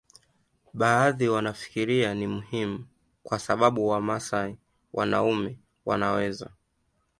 Baadhi wanafikiria ni muhimu kwa sababu Wamasai wanaume wanaweza